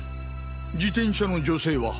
自転車の女性は？